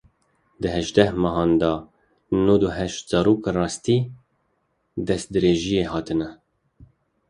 Di hejdeh mehan de nod û heşt zarok rastî destdirêjiyê hatine.